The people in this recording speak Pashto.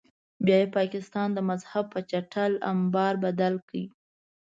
بیا یې پاکستان د مذهب په چټل امبار بدل کړ.